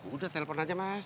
udah telpon aja mas